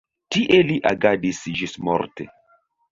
Tie li agadis ĝismorte.